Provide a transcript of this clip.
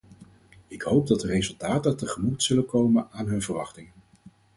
Ik hoop dat de resultaten tegemoet zullen komen aan hun verwachtingen.